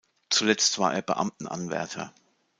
Zuletzt war er Beamtenanwärter.